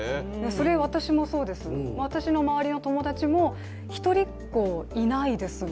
それ、私もそうです、私の周りの友達も一人っ子いないですね。